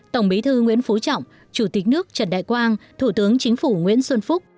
tổng bí thư nguyễn phú trọng chủ tịch nước trần đại quang thủ tướng chính phủ nguyễn xuân phúc